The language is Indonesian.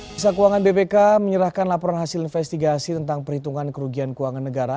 pusat keuangan bpk menyerahkan laporan hasil investigasi tentang perhitungan kerugian keuangan negara